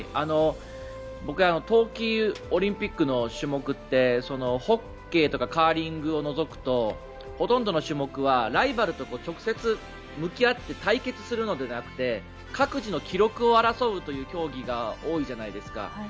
僕は冬季オリンピックの種目ってホッケーとかカーリングを除くとほとんどの種目はライバルと直接向き合って対決するのではなくて各自の記録を争う競技が多いじゃないですか。